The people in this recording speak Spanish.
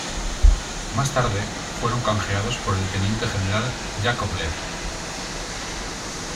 Más tarde fueron canjeados por el Teniente-General Yákovlev.